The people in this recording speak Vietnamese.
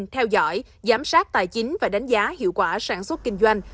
theo dõi giám sát tài chính và đánh giá hiệu quả sản xuất kinh doanh